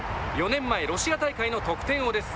４年前、ロシア大会の得点王です。